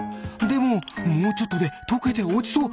でももうちょっとでとけておちそう！